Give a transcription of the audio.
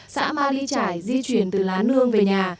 xã ma ly trải di chuyển từ lá nương về nhà